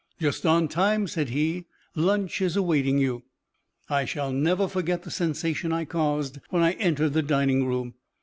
"Just on time," said he. "Lunch is awaiting you." I shall never forget the sensation I caused when I entered the dining room.